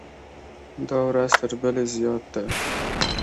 دا ورځ تر بلې زیات ده.